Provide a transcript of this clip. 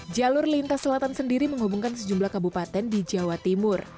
jalur lintas selatan sendiri menghubungkan sejumlah kabupaten di jawa timur